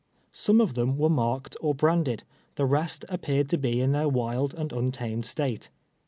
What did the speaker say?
Some of them were marked or l)randed, the rest aj^peared to be in their wild and untamed state.